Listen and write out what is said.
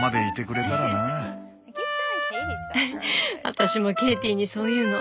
私もケイティにそう言うの。